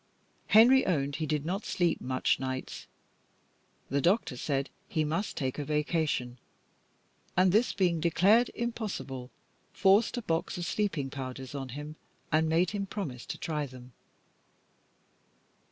Henry owned he did not sleep much nights. The doctor said he must take a vacation, and, this being declared impossible, forced a box of sleeping powders on him, and made him promise to try them.